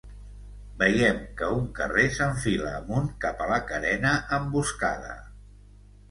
Veiem que un carrer s'enfila amunt cap a la carena emboscada